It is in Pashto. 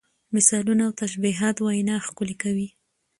مثالونه او تشبیهات وینا ښکلې کوي.